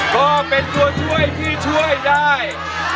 ก็เป็นตัวช่วยที่ช่วยได้